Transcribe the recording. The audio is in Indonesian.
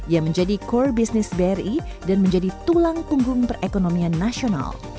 yang menjadi core business bri dan menjadi tulang punggung perekonomian nasional